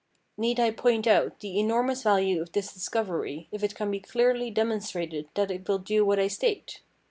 Need I point out the enormous value of this discovery if it can be clearly demon strated that it will do what I state